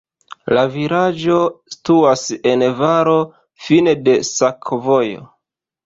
La vilaĝo situas en valo, fine de sakovojo.